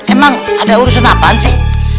emang ada urusan apaan sih